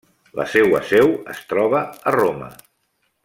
La seua seu es troba a Roma.